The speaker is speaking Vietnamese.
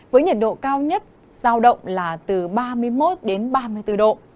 với nhiệt độ cao nhất giao động là từ ba mươi một đến ba mươi bốn độ